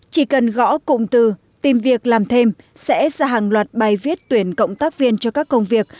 chỉ cần gõ cụm từ tìm việc làm thêm sẽ ra hàng loạt bài viết tuyển cộng tác viên cho các công việc